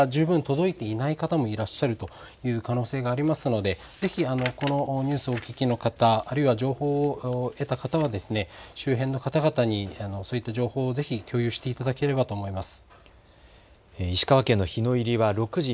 今後も１週間程度は最大震度６強程度の揺れに注意が必要ということですとかそういった情報が十分届いていない方もいらっしゃるという可能性がありますので、ぜひこのニュースをお聞きの方、あるいは情報を得た方は周辺の方々にそういった情報をぜひ共有していただければと思います。